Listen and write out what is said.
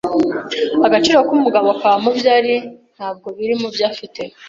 Agaciro k'umugabo kaba mubyo ari, ntabwo biri mubyo afite.